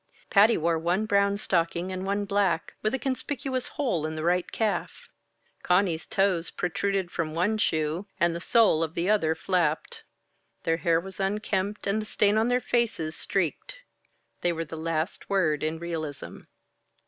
Patty wore one brown stocking and one black, with a conspicuous hole in the right calf. Conny's toes protruded from one shoe, and the sole of the other flapped. Their hair was unkempt and the stain on their faces streaked. They were the last word in realism.